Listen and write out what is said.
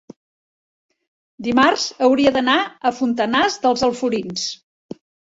Dimarts hauria d'anar a Fontanars dels Alforins.